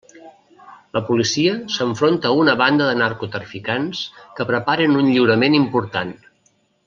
La policia s'enfronta a una banda de narcotraficants que preparen un lliurament important.